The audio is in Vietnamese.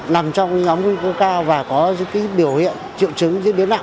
nằm trong ngóng cao và có điều hiện triệu chứng diễn biến nặng